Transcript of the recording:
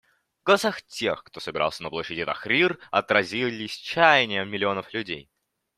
В голосах тех, кто собирался на площади Тахрир, отразились чаяния миллионов людей.